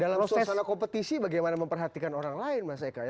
dalam sosial kompetisi bagaimana memperhatikan orang lain mas eka